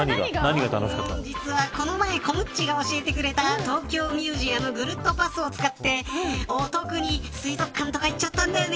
実はこの前コムっちが教えてくれた東京ミュージアムぐるっとパスを使ってお得に水族館とか行っちゃったんだよね。